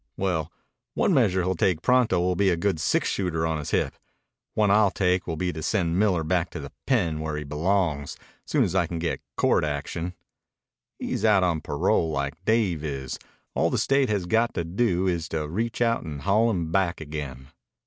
"Well, one measure he'll take pronto will be a good six shooter on his hip. One I'll take will be to send Miller back to the pen, where he belongs, soon as I can get court action. He's out on parole, like Dave is. All the State has got to do is to reach out and haul him back again."